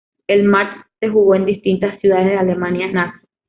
El match se jugó en distintas ciudades de la Alemania nazi.